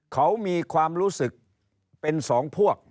เขามีความรู้สึกเป็นสองพวก